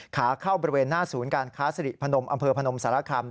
ขาเข้าบริเวณหน้าศูนย์การค้าสิริพนมอำเภอพนมสารคำ